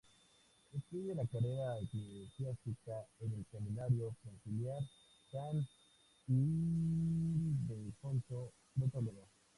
Estudia la carrera eclesiástica en el Seminario Conciliar San Ildefonso de Toledo.